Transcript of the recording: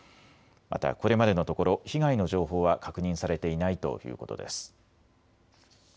またこれまでのところ被害の情報は確認されていないということです。